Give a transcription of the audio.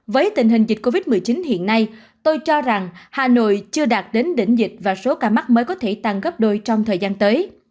với tình hình dịch covid một mươi chín hiện nay tôi cho rằng hà nội chưa đạt đến đỉnh dịch và số ca mắc mới có thể tăng gấp đôi trong thời gian tới